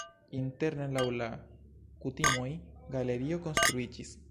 Interne laŭ la kutimoj galerio konstruiĝis.